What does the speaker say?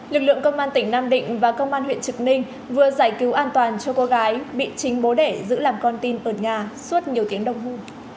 lực lượng công an tỉnh nam định và công an huyện trực ninh vừa giải cứu an toàn cho cô gái bị chính bố đẻ giữ làm con tin ở nhà suốt nhiều tiếng đồng hồ